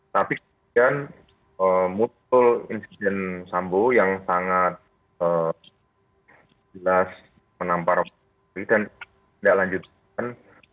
tapi kemudian mutul insiden tambuh yang sangat jelas menampar polri dan tidak lanjutkan